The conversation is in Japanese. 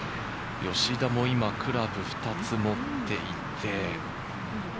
吉田も今、クラブを２つ持っていて。